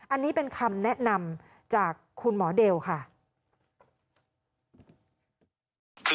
อันนี้เป็นคำแนะนำจากคุณหมอเดลค่ะ